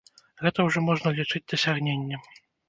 Гэта ўжо можна лічыць дасягненнем.